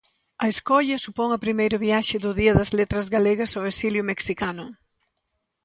A escolla supón a primeira viaxe do Día das Letras Galegas ao exilio mexicano.